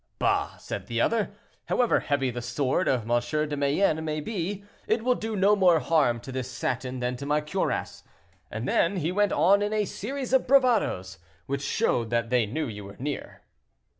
'Bah!' said the other; 'however heavy the sword of M. de Mayenne may be, it will do no more harm to this satin than to my cuirass,' and then he went on in a series of bravadoes, which showed that they knew you were near."